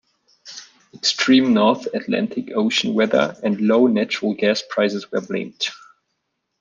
Extreme North Atlantic Ocean weather and low natural gas prices were blamed.